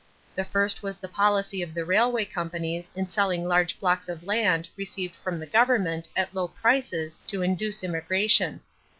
The first was the policy of the railway companies in selling large blocks of land received from the government at low prices to induce immigration.